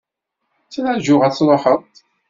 Ttrajuɣ ad truḥeḍ.